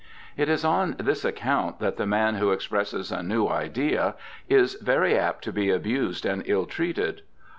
It is on this account that the man who expresses a new idea is very HARVEY 30T apt to be abused and ill treated.